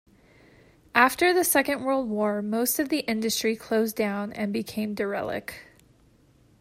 After the Second World War most of the industry closed down and became derelict.